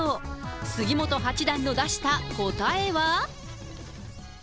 杉本八段の出した答えは。